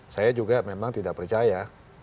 saya juga memang tidak percaya